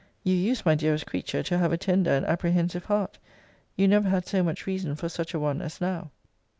You used, my dearest creature, to have a tender and apprehensive heart. You never had so much reason for such a one as now.